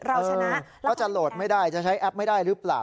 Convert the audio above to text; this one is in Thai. เพราะฉะนั้นเขาจะโหลดไม่ได้จะใช้แอปไม่ได้หรือเปล่า